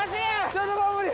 ちょっともう無理。